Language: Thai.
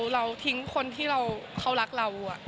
เราทิ้งคนที่เขารักเรา